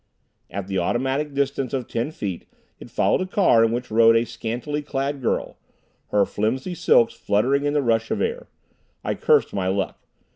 At the automatic distance of ten feet it followed a car in which rode a scantily clad girl, her flimsy silks fluttering in the rush of air. I cursed my luck.